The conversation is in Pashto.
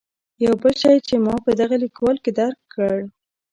یو بل شی چې ما په دغه لیکوال کې درک کړ.